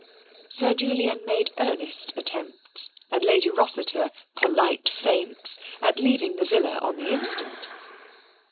Sir Julian made earnest attempts and Lady Rossi ter polite feints, at leaving the villa on the instant.